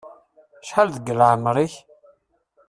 Cḥal deg laεmer-ik.